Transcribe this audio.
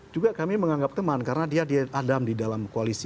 juga kami menganggap teman karena dia dia yang berkumpul di pdip ini